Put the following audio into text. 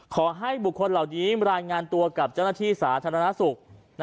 ขอให้บุคคลเหล่านี้แบบลายงานตัวกับจัฏฐศาสตร์ธนณสุข